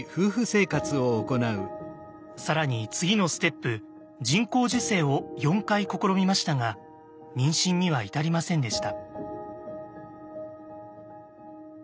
更に次のステップ人工授精を４回試みましたが妊娠には至りませんでした。